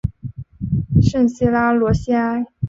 圣西拉罗西埃。